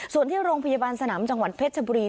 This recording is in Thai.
ส่วนที่โรงพยาบาลสนามจังหวัดเพชรชบุรี